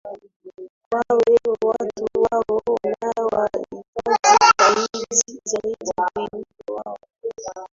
wao ee watu wao wanawahitaji zaidi kuliko wao